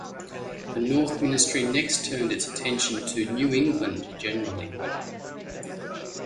The North ministry next turned its attention to New England generally.